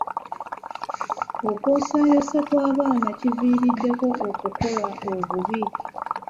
Okwosaayosa bw'abaana kiviiriddeko okukola obubi.